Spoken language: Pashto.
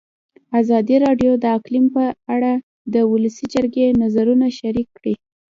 ازادي راډیو د اقلیم په اړه د ولسي جرګې نظرونه شریک کړي.